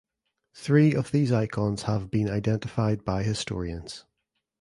Three of these icons have been identified by historians.